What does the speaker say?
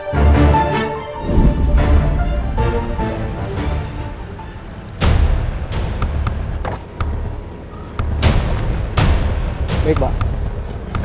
yang diberkati dalam ke